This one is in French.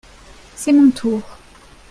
c'est mon tour.